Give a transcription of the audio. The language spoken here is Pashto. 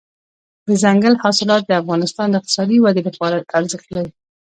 دځنګل حاصلات د افغانستان د اقتصادي ودې لپاره ارزښت لري.